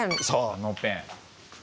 「あのペン」。